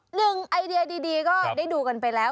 ไอเดียดีก็ได้ดูกันไปแล้ว